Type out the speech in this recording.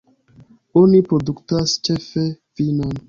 Oni produktas ĉefe vinon.